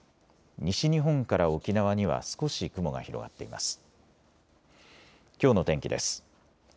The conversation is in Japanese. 西日本から沖縄には少し雲が広がっています。